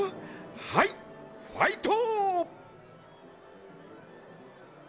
はいファイト！